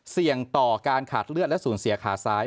เสี่ยงต่อการขาดเลือดและสูญเสียขาซ้าย